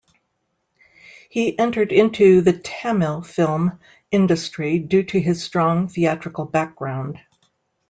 He entered into the Tamil film industry due to his strong theatrical background.